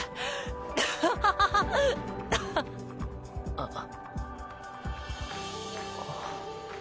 あっ。